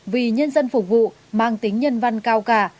vì nhân dân phục vụ mang tính nhân văn cao cả